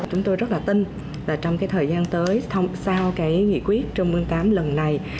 chúng tôi rất là tin trong cái thời gian tới sau cái nghị quyết trung mương tám lần này